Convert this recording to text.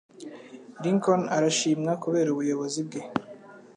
Lincoln arashimwa kubera ubuyobozi bwe.